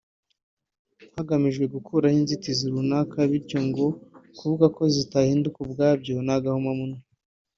hagamijwe gukuraho inzitizi runaka bityo ngo kuvuga ko zitahinduka ubwabyo ni agahomamunwa